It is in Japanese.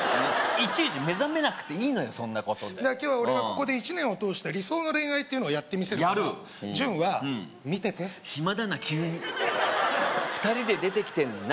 イチイチ目覚めなくていいのよそんなことで今日は俺がここで１年を通して理想の恋愛っていうのをやってみせるから潤は見てて暇だな急に２人で出てきてるのに何？